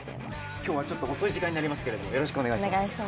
今日はちょっと遅い時間になりますけれども、よろしくお願いします。